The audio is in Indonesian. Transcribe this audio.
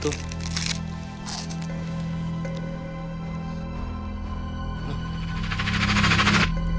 tidak ada yang ngetok